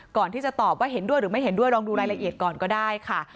ก่อนที่จะตอบว่าเห็นด้วยหรือไม่เห็นด้วยลองดูรายละเอียดก่อนก็ได้ค่ะ